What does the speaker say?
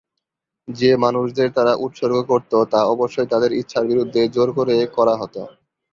যে মানুষদের তারা উৎসর্গ করতো তা অবশ্যই তাদের ইচ্ছার বিরুদ্ধে জোর করে করা হতো।